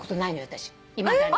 私いまだに。